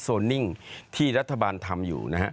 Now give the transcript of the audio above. โซนิ่งที่รัฐบาลทำอยู่